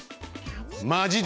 マジで？